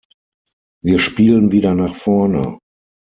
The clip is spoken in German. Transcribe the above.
Wir spielen wieder nach vorne.